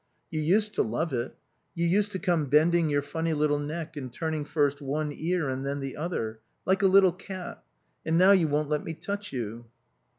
"You used to love it. You used to come bending your funny little neck and turning first one ear and than the other. Like a little cat. And now you won't let me touch you."